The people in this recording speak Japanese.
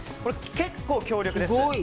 結構、強力です。